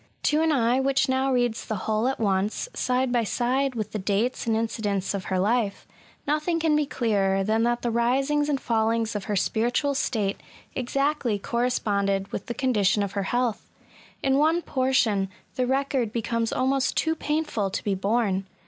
To an eye which now reads the whole at once, side by side with the dates and incidents of her life, nothing can be clearer than that the risings and fallings of her spiritual state exactly corresponded with the con dition of her health. In one portion, the record becomes almost too painful to be borne.